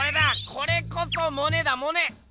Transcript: これこそモネだモネ！